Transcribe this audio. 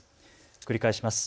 繰り返します。